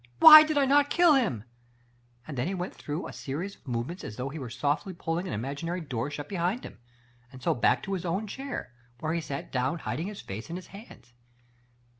Why did I not kill him? Then he went through a series of movements as though he were softly pulling an imaginary door shut behind him, and so back to his own chair, where he sat down hiding his face in his hands.